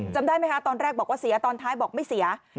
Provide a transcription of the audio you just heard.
จำได้ไหมคะตอนแรกบอกว่าเสียตอนท้ายบอกไม่เสีย